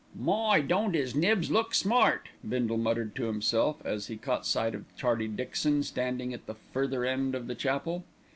"My! don't 'is Nibs look smart," Bindle muttered to himself, as he caught sight of Charlie Dixon standing at the further end of the chapel.